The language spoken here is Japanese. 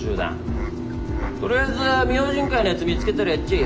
とりあえず「明神会」のやつ見つけたらやっちゃえ。